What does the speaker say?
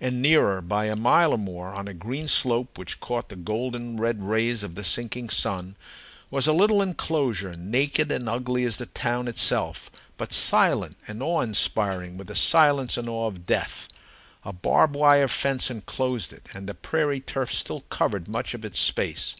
And nearer, by a mile or more, on a green slope which caught the golden red rays of the sinking sun, was a little enclosure, naked and ugly as the town itself, but silent and awe inspiring with the silence and awe of death. A barbed wire fence enclosed it, and the prairie turf still covered much of its space.